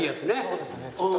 そうですね。